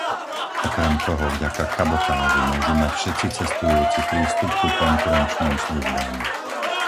Okrem toho, vďaka kabotáži môžu mať všetci cestujúci prístup ku konkurenčným službám.